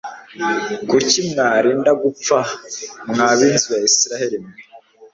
kuki mwarinda gupfa, mwa b'inzu y'isiraheri mwe